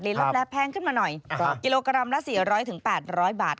หลินลับแลแพงขึ้นมาหน่อยครับกิโลกรัมละสี่ร้อยถึงแปดร้อยบาท